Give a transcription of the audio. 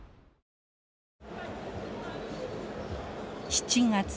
７月。